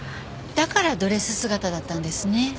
だからドレス姿だったんですね。